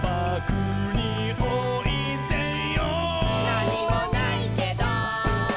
「なにもないけど」